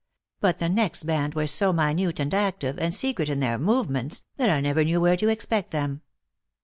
But the next band were so minute and active, and secret in their movements, that I never knew where to expect them.